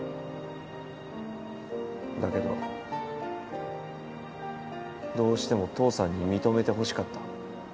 だけど。どうしても父さんに認めてほしかった。